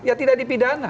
ya tidak dipidana